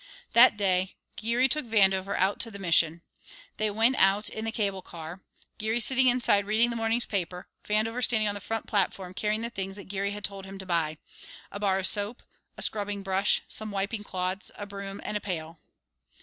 That day Geary took Vandover out to the Mission. They went out in the cable car, Geary sitting inside reading the morning's paper, Vandover standing on the front platform, carrying the things that Geary had told him to buy: a bar of soap, a scrubbing brush, some wiping cloths, a broom, and a pail.